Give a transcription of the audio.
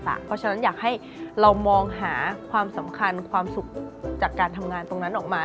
เพราะฉะนั้นอยากให้เรามองหาความสำคัญความสุขจากการทำงานตรงนั้นออกมา